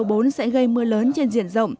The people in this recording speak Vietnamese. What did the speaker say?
hoàn lưu bão số bốn sẽ gây mưa lớn trên diện rộng